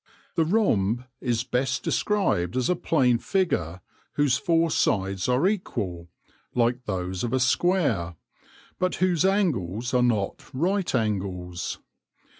The rhomb is best described as a plane figure whose four sides are equal, like those of a square, but whose angles are not right angles.